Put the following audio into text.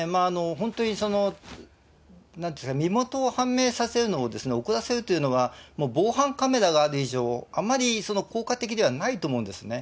本当になんて言うんですか、身元を判明させるのを遅らせるというのは、防犯カメラがある以上、あんまり効果的ではないと思うんですね。